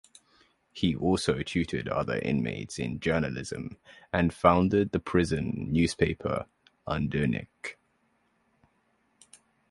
He also tutored other inmates in journalism and founded the prison newspaper "Udarnik".